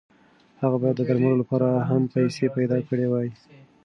هغه باید د درملو لپاره هم پیسې پیدا کړې وای.